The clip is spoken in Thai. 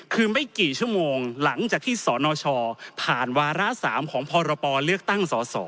คือไม่กี่ชั่วโมงหลังจากที่สนชผ่านวาระ๓ของพรปเลือกตั้งสส